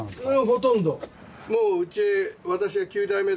ほとんど。